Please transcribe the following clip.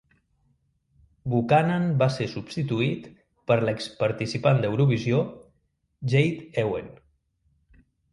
Buchanan va ser substituït per l'ex-participant d'Eurovisió Jade Ewen.